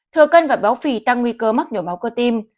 thừa cân và béo phì tăng nguy cơ mắc nhồi máu cơ tim